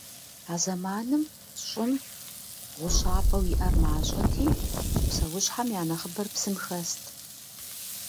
А зэманым Щӏым гъущапӏэу иӏэр мащӏэти, псэущхьэм я нэхъыбэр псым хэст.